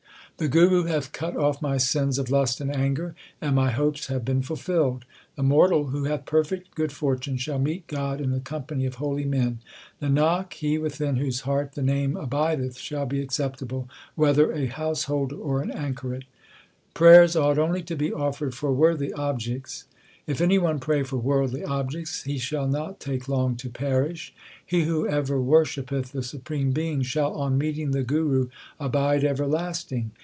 The Guru hath cut off my sins of lust and anger, and my hopes have been fulfilled. The mortal who hath perfect good fortune Shall meet God in the company of holy men. Nanak, he within whose heart the Name abideth shall be acceptable, whether a householder or an anchoret. Prayers ought only to be offered for worthy objects : If any one pray for worldly objects, He shall not take long to perish. He who ever worshippeth the Supreme Being, shall on meeting the Guru abide everlasting.